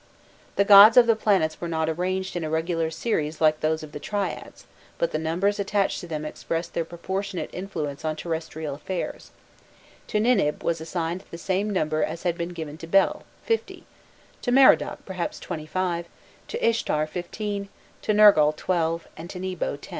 The gods of the planets were not arranged in a regular series like those of the triads, but the numbers attached to them expressed their proportionate influence on terrestrial affairs: to Ninib was assigned the same number as had been given to Bel, 50, to Merodach perhaps 25, to Ishtar 15, to Nergal 12, and to Nebo 10.